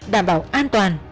đảm bảo an toàn